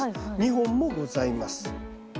２本もございます。